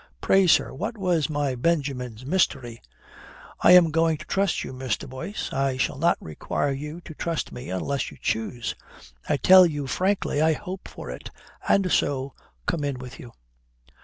Pray, sir, what was my Benjamin's mystery?" "I am going to trust you, Mr. Boyce. I shall not require you to trust me unless you choose. I tell you frankly I hope for it. And so come in with you."